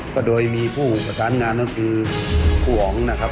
ก็โดยมีผู้ประสานงานนั่นคือคู่ห่องนะครับ